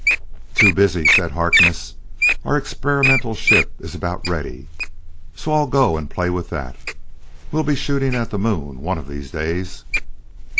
"Too busy," said Harkness. "Our experimental ship is about ready, so I'll go and play with that. We'll be shooting at the moon one of these days."